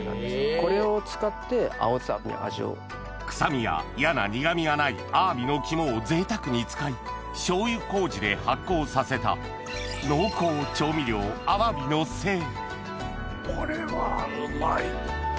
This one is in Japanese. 臭みや嫌な苦みがないアワビの肝をぜいたくに使い醤油麹で発酵させたこれはうまい。